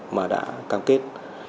mà đã cam kết